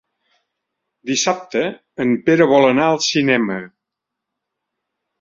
Dissabte en Pere vol anar al cinema.